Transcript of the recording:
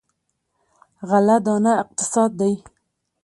غله دانه اقتصاد دی.